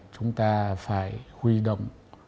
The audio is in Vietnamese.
chúng ta phải huy động